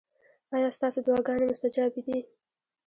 ایا ستاسو دعاګانې مستجابې دي؟